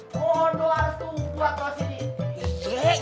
mohon doa setuju buat rosidi